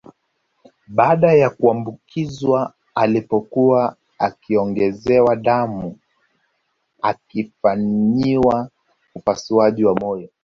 Baada ya kuambukizwa alipokuwa akiongezewa damu akifanyiwa upasuaji wa moyo